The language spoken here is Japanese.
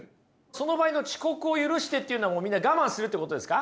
その場合の遅刻を許してっていうのはみんな我慢するってことですか？